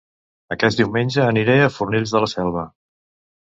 Aquest diumenge aniré a Fornells de la Selva